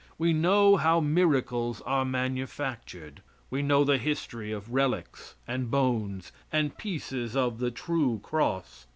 We know how miracles are manufactured. We know the history of relics, and bones, and pieces of the true cross.